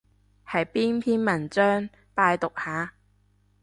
係邊篇文章？拜讀下